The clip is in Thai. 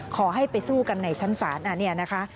ขอให้ไปสู้กันในชั้นศาลอันนี้นะคะ